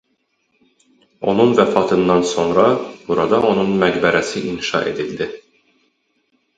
Onun vəfatından sonra burada onun məqbərəsi inşa edildi.